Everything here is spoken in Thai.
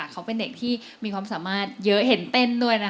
เขาเป็นเด็กที่มีความสามารถเยอะเห็นเต้นด้วยนะคะ